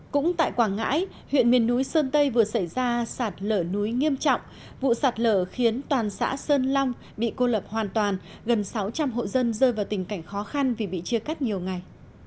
cũng tại quảng ngãi huyện miền núi sơn tây vừa xảy ra sạt lở núi nghiêm trọng vụ sạt lở khiến toàn xã sơn long bị cô lập hoàn toàn gần sáu trăm linh hộ dân rơi vào tình cảnh khó khăn vì bị chia cắt nhiều ngày